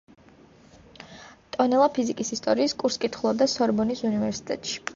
ტონელა ფიზიკის ისტორიის კურსს კითხულობდა სორბონის უნივერსიტეტში.